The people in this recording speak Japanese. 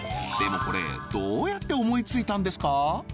でもこれどうやって思いついたんですか？